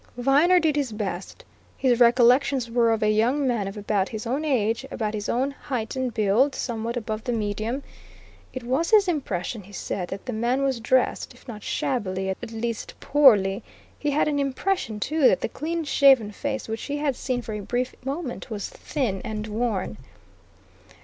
Viner did his best. His recollections were of a young man of about his own age, about his own height and build, somewhat above the medium; it was his impression, he said, that the man was dressed, if not shabbily, at least poorly; he had an impression, too, that the clean shaven face which he had seen for a brief moment was thin and worn.